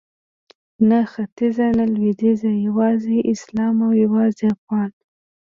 نه ختیځ نه لویدیځ یوازې اسلام او یوازې افغان